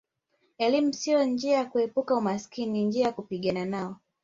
Elimu sio njia ya kuepuka umaskini ni njia ya kupigana nao